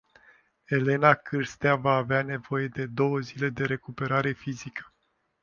Elena Cârstea va avea nevoie de două zile de recuperare fizică.